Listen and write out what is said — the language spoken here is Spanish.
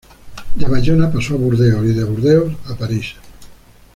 De Bayona pasó a Burdeos y de Burdeos a París.